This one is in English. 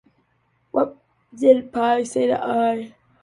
What did pi say to i?